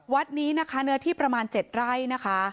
วัดนี้นะคะเนื้อที่ประมาณ๗ไร่นะคะ